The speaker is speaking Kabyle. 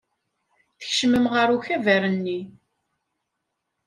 Tkecmem ɣer ukabar-nni.